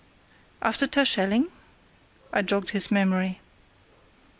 "After Terschelling?" I jogged his memory.